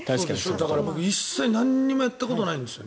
だから僕、一切何もやったことがないんですよね。